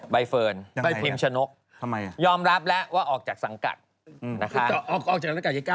ใบเฟิร์นรร้ายพรึงชะนุกยอมรับแล้วว่าพอออกจากสังกัดนะคะ